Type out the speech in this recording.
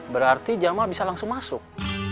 berarti jamaah bisa langsung masuk